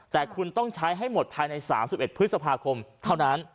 แต่คุณต้องใช้ให้หมดภายใน๓๑พฤษภาคมเท่านั้น